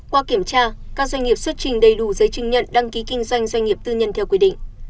qua kiểm tra các doanh nghiệp xuất trình đầy đủ giấy chứng nhận đăng ký kinh doanh doanh nghiệp tư nhân theo quy định